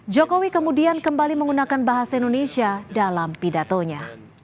jokowi kemudian kembali menggunakan bahasa indonesia dalam pidatonya